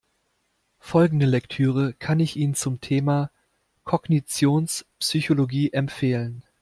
Folgende Lektüre kann ich Ihnen zum Thema Kognitionspsychologie empfehlen.